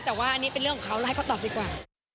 แต่ว่าอันนี้เป็นเรื่องของเขาแล้วให้เขาตอบดีกว่า